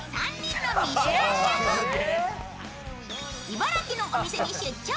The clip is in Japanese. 茨城のお店に出張。